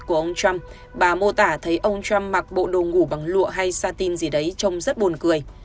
của ông trump bà mô tả thấy ông trump mặc bộ đồ ngủ bằng lụa hay satin gì đấy trông rất buồn cười